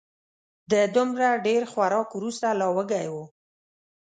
د دومره ډېر خوراک وروسته لا وږی و